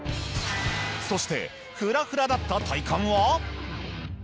そしてフラフラだった体幹は？